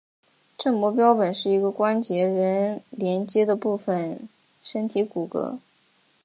正模标本是一个关节仍连阶的部分身体骨骼。